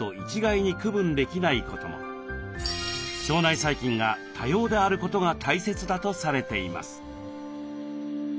腸内細菌が多様であることが大切だとされています。